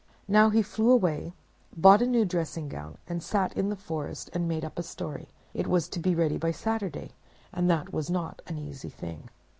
Now he flew away, bought a new dressing gown, and sat in the forest and made up a story; it was to be ready by Saturday, and that was not an easy thing.